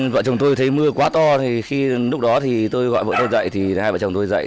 bọn chồng tôi thấy mưa quá to lúc đó tôi gọi bọn tôi dậy hai bọn chồng tôi dậy